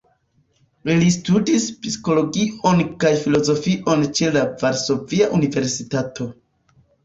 Li studis psikologion kaj filozofion ĉe la Varsovia Universitato.